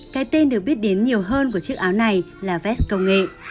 cái tên được biết đến nhiều hơn của chiếc áo này là vest công nghệ